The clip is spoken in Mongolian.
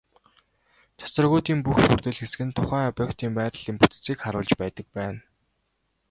Цацрагуудын бүх бүрдэл хэсэг нь тухайн объектын байрлалын бүтцийг харуулж байдаг байна.